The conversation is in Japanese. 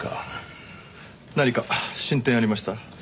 何か進展ありました？